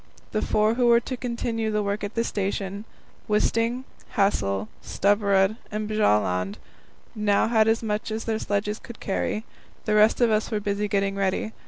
The four who were to continue the work at the station Wisting, Hassel, Stubberud, and Bjaaland now had as much as their sledges could carry. The rest of us were busy getting ready.